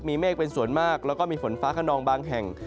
มีเมฆเป็นส่วนมากแล้วก็มีฝนฟ้าขนองบางแห่ง